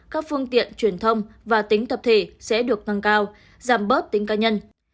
các phương tiện truyền thông và tính tập thể sẽ được năng cao giảm bớt tính ca nhân